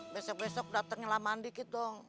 besok besok datengnya lah mandi gitu